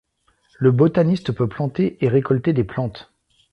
Le botaniste peut planter et récolter des plantes.